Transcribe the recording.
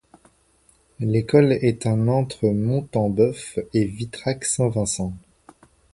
L'école est un entre Montembœuf et Vitrac-Saint-Vincent.